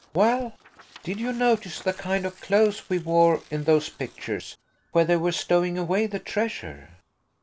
"Well?" "Did you notice the kind of clothes we wore in those pictures–where they were stowing away the treasure?"